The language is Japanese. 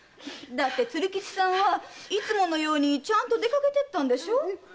鶴吉さんはいつものようにちゃんと出かけていったんでしょう？